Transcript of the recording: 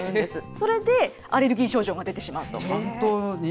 それで、アレルギー症状が出てしまうと。